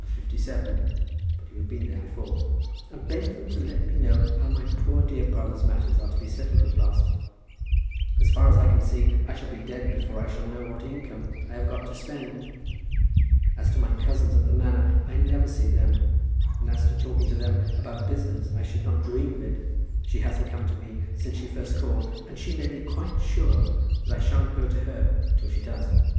57 but you have been there before, and beg them to let me know how my poor dear brother's matters are to be settled at last. As far as I can see I shall be dead before I shall know what income I have got to spend. As to my cousins at the manor, I never see them; and as to talking to them about business, I should not dream of it. She hasn't come to me since she first called, and she may be quite sure I shan't go to her till she does.